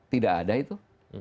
tidak ada itu